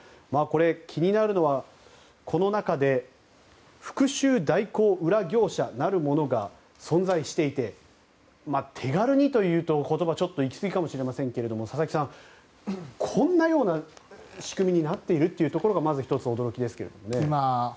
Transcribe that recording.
気になるのは、この中で復讐代行、裏業者なるものが存在していて手軽にと言うと言葉ちょっといきすぎかもしれませんが佐々木さん、こんなような仕組みになっているところがまず１つ驚きですけれどもね。